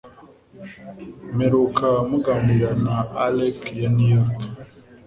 Mperuka muganira na alec ya New York